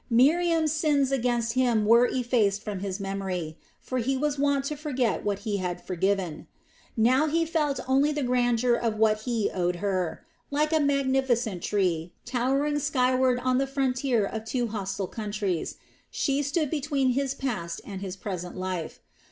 Miriam's sins against him were effaced from his memory; for he was wont to forget what he had forgiven. Now he felt only the grandeur of what he owed her. Like a magnificent tree, towering skyward on the frontier of two hostile countries, she stood between his past and his present life.